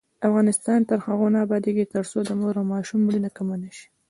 افغانستان تر هغو نه ابادیږي، ترڅو د مور او ماشوم مړینه کمه نشي.